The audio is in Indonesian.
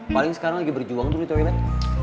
paling sekarang lagi berjuang tuh liat aja ya bet